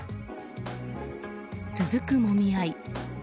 続くもみ合い。